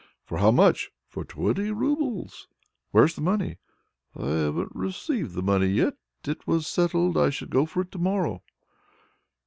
"For how much?" "For twenty roubles." "Where's the money?" "I haven't received the money yet. It was settled I should go for it to morrow."